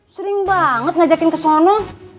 sering banget ngajakin ke sana